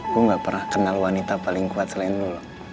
gue gak pernah kenal wanita paling kuat selain dulu